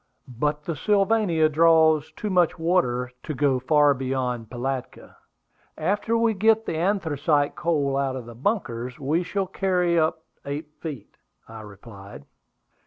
"But the Sylvania draws too much water to go far beyond Pilatka. After we get the anthracite coal out of the bunkers we shall carry up eight feet," I replied.